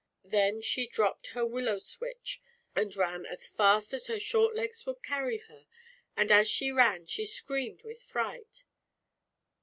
Then she dropped her willow switch and ran as fast as her short legs would carry her, and as she ran she screamed with fright.